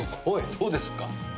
どうですか？